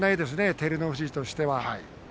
照ノ富士としては。